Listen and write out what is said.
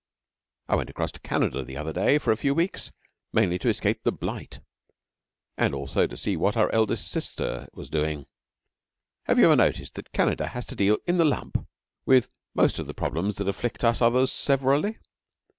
I went across to Canada the other day, for a few weeks, mainly to escape the Blight, and also to see what our Eldest Sister was doing. Have you ever noticed that Canada has to deal in the lump with most of the problems that afflict us others severally?